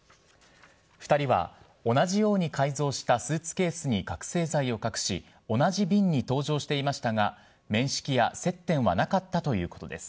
２人は同じように改造したスーツケースに覚醒剤を隠し、同じ便に搭乗していましたが、面識や接点はなかったということです。